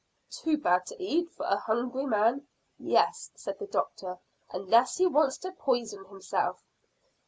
"Too bad to eat for a hungry man?" "Yes," said the doctor; "unless he wants to poison himself."